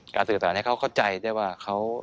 สื่อสารให้เขาเข้าใจได้ว่าเขา